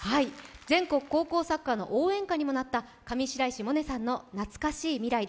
全国高校サッカーの応援歌にもなった上白石萌音さんの「懐かしい未来」